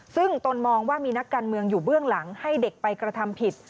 ซึ่งตนมองว่ามีนักการเมืองอยู่เบื้องหลังให้เด็กไปกระทำผิด